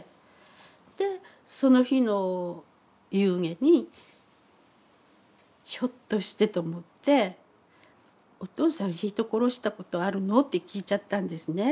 でその日の夕げにひょっとしてと思って「お父さん人殺したことあるの？」って聞いちゃったんですね。